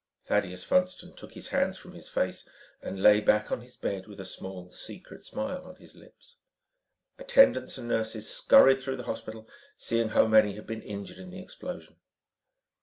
Thaddeus Funston took his hands from his face and lay back in his bed with a small, secret smile on his lips. Attendants and nurses scurried through the hospital, seeing how many had been injured in the explosion.